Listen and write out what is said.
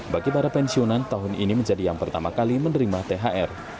bagi para pensiunan tahun ini menjadi yang pertama kali menerima thr